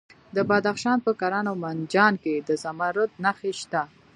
د بدخشان په کران او منجان کې د زمرد نښې شته.